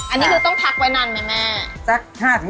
อันนี้คือต้องพักไว้นานไหมแม่